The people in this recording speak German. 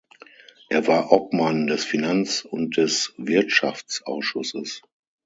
Er war Obmann des Finanz- und des Wirtschaftsausschusses.